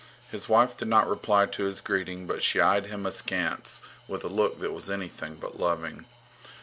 His wife did not reply to his greeting, but she eyed him askance with a look that was anything but loving.